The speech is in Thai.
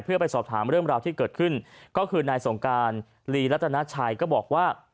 เพื่อไปสอบถามเรื่องราวที่เกิดขึ้นก็คือนายสงการลีรัตนาชัยก็บอกว่า